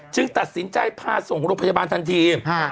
ตัดสินใจพาส่งโรงพยาบาลทันที